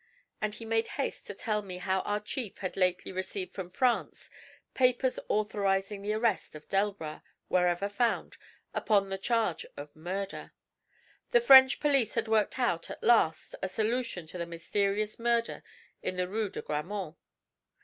And he made haste to tell me how our chief had lately received from France papers authorizing the arrest of Delbras, wherever found, upon the charge of murder. The French police had worked out, at last, a solution to the mysterious murder in the Rue de Grammont.